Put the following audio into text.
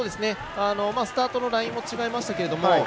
スタートのラインも違いましたけども